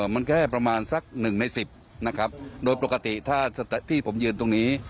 มันแค่ประมาณสักหนึ่งในสิบนะครับโดยปกติถ้าที่ผมยืนตรงนี้